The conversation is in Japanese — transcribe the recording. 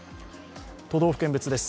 都道府県別です。